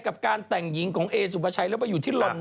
กับการแต่งหญิงของเอสุภาชัยแล้วไปอยู่ที่ลอน